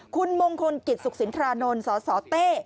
คุณมงคลกิจสุขสินทรานนท์สสเต้